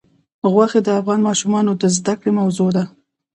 غوښې د افغان ماشومانو د زده کړې موضوع ده.